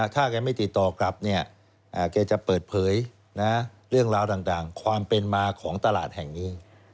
ถ้าแกไม่ติดต่อกลับเนี่ยแกจะเปิดเผยเรื่องราวต่างความเป็นมาของตลาดแห่งนี้